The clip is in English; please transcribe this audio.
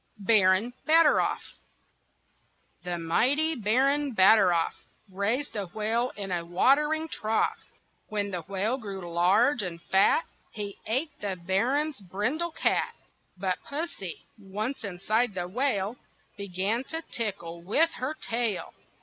BARON BATTEROFF The mighty baron, Batteroff, Raised a whale in a watering trough. When the whale grew large and fat He ate the baron's brindle cat. But pussy, once inside the whale, Began to tickle with her tail.